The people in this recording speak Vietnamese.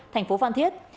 tp phan thiết